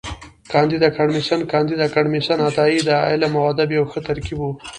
کانديد اکاډميسن کانديد اکاډميسن عطایي د علم او ادب یو ښه ترکیب و.